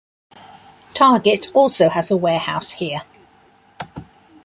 Target also has a warehouse here.